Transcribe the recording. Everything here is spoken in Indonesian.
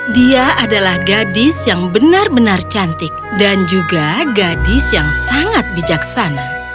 dia adalah gadis yang benar benar cantik dan juga gadis yang sangat bijaksana